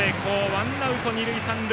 ワンアウト二塁三塁。